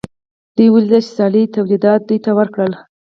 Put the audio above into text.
دوی ولیدل چې سیالۍ تولیدات دوی ته ورکړل